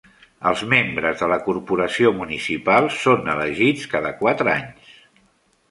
Els membres de la corporació municipal són elegits cada quatre anys.